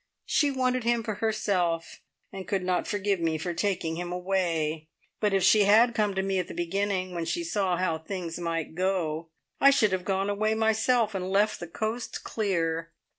She wanted him for herself, and could not forgive me for taking him away; but if she had come to me at the beginning, when she saw how things might go, I should have gone away myself and left the coast clear.